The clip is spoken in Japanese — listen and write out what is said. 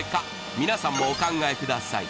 皆さんもお考えください